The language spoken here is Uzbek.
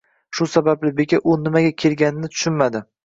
Shu sababli beka u nimaga kelganini tushunmadi